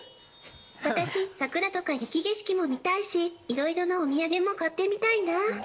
私、桜とか雪景色も見たいし、いろいろなお土産も買ってみたいんだ。